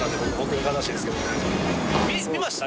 見ました？」